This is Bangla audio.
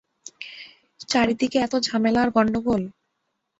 চারিদিকে এত ঝামেলা আর গন্ডগোল!